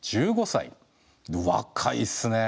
１５歳。